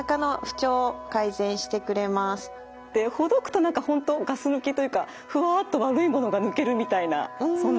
ほどくと何か本当ガス抜きというかふわっと悪いものが抜けるみたいな